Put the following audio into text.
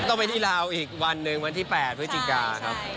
ต้องไปที่ลาวอีกวันหนึ่งวันที่๘พฤศจิกาครับ